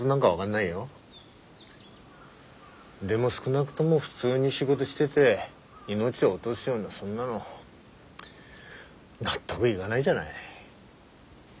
でも少なくとも普通に仕事してで命落とすようなそんなの納得いがないじゃない。